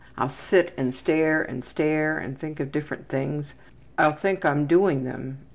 I'll sit and stare and stare and think of different things. I'll think I'm doing them.